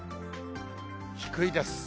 低いです。